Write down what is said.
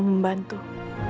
kamu harus bawak bawah